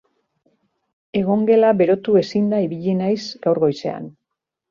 Egongela berotu ezinda ibili naiz gaur goizean.